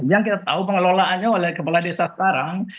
yang kita tahu pengelolaannya oleh kepala desa sekarang